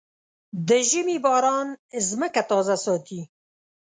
د ژمي باران ځمکه تازه ساتي.